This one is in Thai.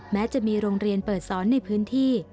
แม้จะมีโรงเรียนเปิดสอนในพื้นที่